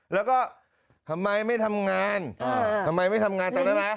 แล้วก็ทำไมไม่ทำงานทำไมไม่ทำงานตอนนั้นนะ